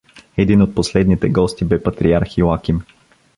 Един от последните гости бе патриарх Иоаким.